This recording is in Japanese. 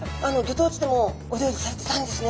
当地でもお料理されてたんですね。